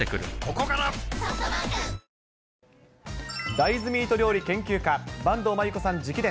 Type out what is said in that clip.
大豆ミート料理研究家、坂東万有子さん直伝。